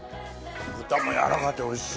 豚もやわらかくておいしい！